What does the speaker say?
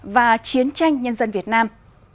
và chiến tranh nhân dân việt nam